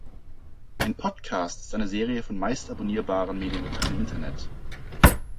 Ein Podcast ist eine Serie von meist abonnierbaren Mediendateien im Internet.